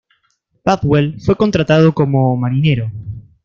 Bakewell fue contratado como marinero.